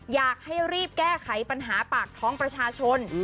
อยากให้รีบแก้ไขปัญหาปากท้องประชาชน